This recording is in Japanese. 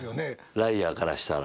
ライアーからしたら。